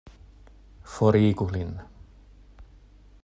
Forigu lin!